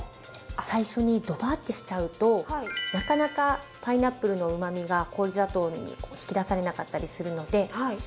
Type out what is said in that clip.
最初にドバッてしちゃうとなかなかパイナップルのうまみが氷砂糖に引き出されなかったりするので。